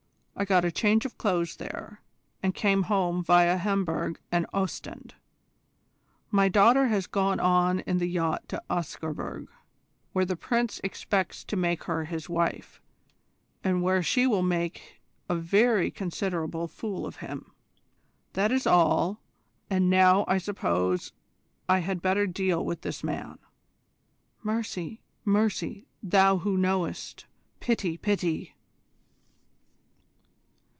I got a change of clothes there, and came home viâ Hamburg and Ostend. My daughter has gone on in the yacht to Oscarburg, where the Prince expects to make her his wife, and where she will make a very considerable fool of him. That is all, and now I suppose I had better deal with this man." "Mercy, mercy, Thou Who Knowest! Pity, pity!"